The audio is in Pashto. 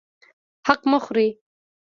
حق مه خورئ